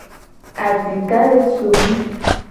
Adika le somi.